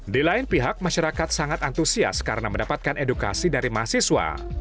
di lain pihak masyarakat sangat antusias karena mendapatkan edukasi dari mahasiswa